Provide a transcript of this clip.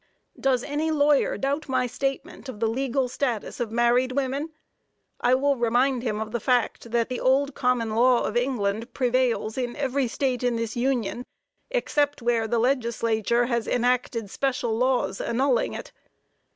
Does any lawyer doubt my statement of the legal status of married women? I will remind him of the fact that the old common law of England prevails in every State in this Union, except where the Legislature has enacted special laws annulling it.